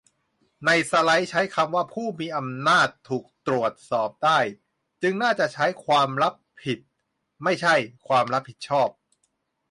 ในสไลด์ใช้คำว่า 'ผู้มีอำนาจถูกตรวจสอบได้' จึงน่าจะใช้ 'ความรับผิด' ไม่ใช่ 'ความรับผิดชอบ'